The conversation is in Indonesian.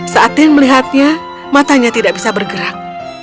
saat tin melihatnya matanya tidak bisa bergerak